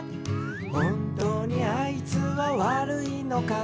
「ほんとにあいつはわるいのか」